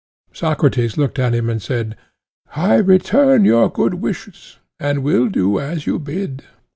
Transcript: Socrates looked at him and said: I return your good wishes, and will do as you bid.